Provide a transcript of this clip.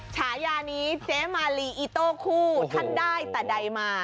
ฉายานี้เจ๊มาลีอีโต้คู่ท่านได้แต่ใดมา